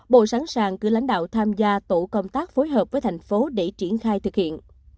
bộ sẵn sàng cử lãnh đạo tham gia tổ công tác phối hợp với thành phố để triển khai thực hiện